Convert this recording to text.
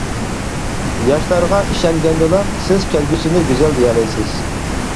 ياشلارغا ئىشەنگەندىلا، سىز كەلگۈسىنى گۈزەل دېيەلەيسىز.